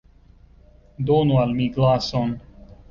Donu al mi glason.